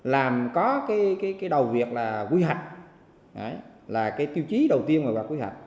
làm có cái đầu việc là quy hoạch là cái tiêu chí đầu tiên mà là quy hoạch